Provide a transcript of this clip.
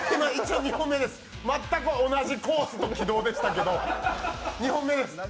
全く同じコースト軌道でしたけど、２本目です。